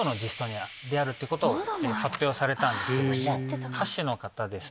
であるってことを発表されたんですけども。